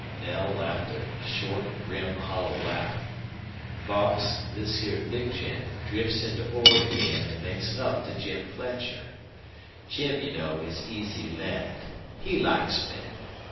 Knell laughed a short, grim, hollow laugh. "Boss, this here big gent drifts into Ord again an' makes up to Jim Fletcher. Jim, you know, is easy led. He likes men.